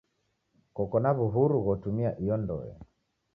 Koko na w'uhuru ghotumia iyo ndoe.